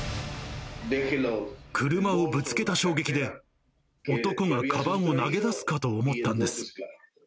車をぶつけた衝撃で、男がかばんを投げ出すかと思ったんです。